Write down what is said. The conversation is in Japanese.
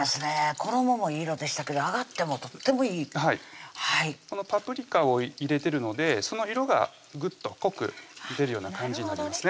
衣もいい色でしたけど揚がってもとってもいいはいこのパプリカを入れてるのでその色がグッと濃く出るような感じになりますね